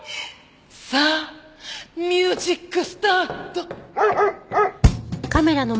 さあミュージックスタート！